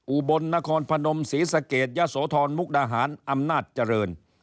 อุบลนครพนมศรีสะเกดยะโสธรมุกดาหารอำนาจเจริญ